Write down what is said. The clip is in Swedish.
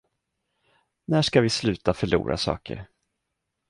När ska vi sluta förlora saker?